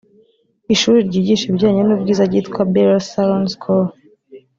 Ishuri ryigisha ibijyane n’ubwiza ryitwa Belasi Saloon school